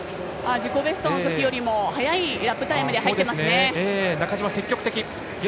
自己ベストのときよりも速いラップタイムで入っています。